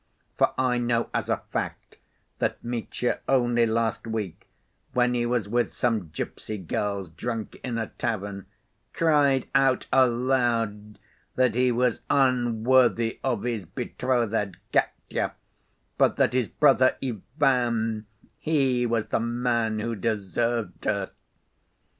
For I know as a fact that Mitya only last week, when he was with some gypsy girls drunk in a tavern, cried out aloud that he was unworthy of his betrothed, Katya, but that his brother Ivan, he was the man who deserved her.